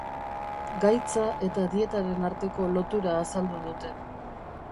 Gaitza eta dietaren arteko lotura azaldu dute.